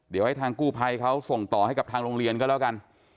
เดี๋ยวให้ทางกู้ภัยเขาส่งต่อให้กับทางโรงเรียนก็แล้วกัน